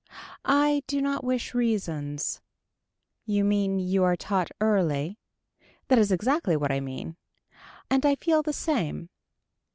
I do not wish reasons. You mean you are taught early. That is exactly what I mean. And I feel the same.